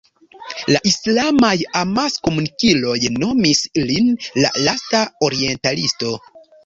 La islamaj amaskomunikiloj nomis lin "la lasta orientalisto".